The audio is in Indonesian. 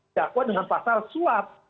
dakwa dengan pasal suap